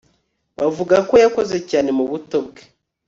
Bavuga ko yakoze cyane mubuto bwe